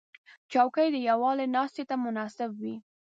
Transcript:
چوکۍ د یووالي ناستې ته مناسب وي.